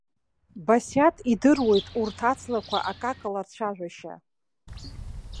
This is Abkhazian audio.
Басиаҭ идыруеит урҭ аҵлақәа акакала рцәажәашьа.